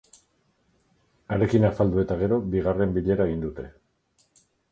Harekin afaldu eta gero, bigarren bilera egin dute.